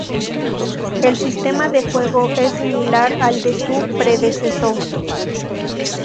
El sistema de juego es similar al de su predecesor.